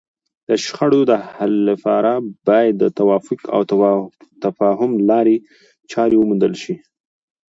د شخړو د حل لپاره باید د توافق او تفاهم لارې چارې وموندل شي.